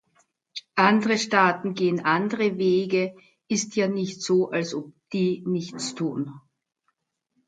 Andere Staaten gehen andere Wegeist ja nicht so, als ob die nichts tun.